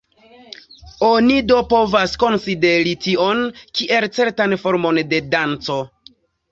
Oni do povas konsideri tion kiel certan formon de danco.